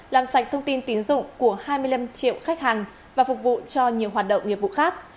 làm sạch thông tin tín dụng của hai mươi năm triệu khách hàng và phục vụ cho nhiều hoạt động nghiệp vụ khác